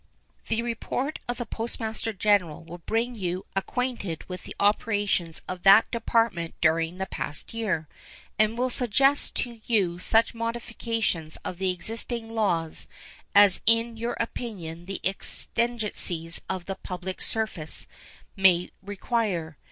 The report of the Postmaster General will bring you acquainted with the operations of that Department during the past year, and will suggest to you such modifications of the existing laws as in your opinion the exigencies of the public service may require.